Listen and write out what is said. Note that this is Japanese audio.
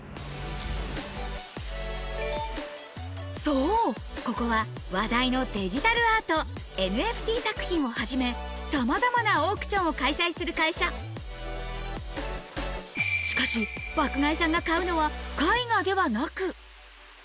そうここは話題のデジタルアートＮＦＴ作品をはじめさまざまなオークションを開催する会社しかしいやちょっと。